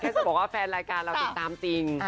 ถ้าจะบอกว่าแฟนรายการเราติดตามจริง